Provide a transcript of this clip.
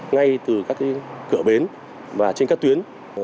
ngay từ các cửa bến và trên các tuyến